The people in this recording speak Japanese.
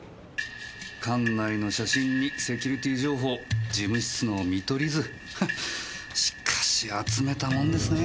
館内の写真にセキュリティー情報事務室の見取り図しかし集めたもんですね。